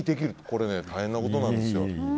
これは大変なことなんですよ。